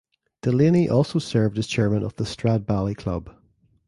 Delaney also served as chairman of the Stradbally club.